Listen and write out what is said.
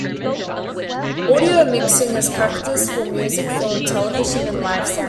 Audio mixing is practiced for music, film, television and live sound.